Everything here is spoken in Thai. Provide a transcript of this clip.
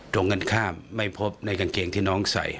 ตรงกันข้ามไม่พบในกางเกงที่น้องใส่